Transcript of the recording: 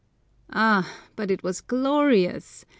Ah, but it was glorious!